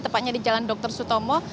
tepatnya di jalan dr sutomo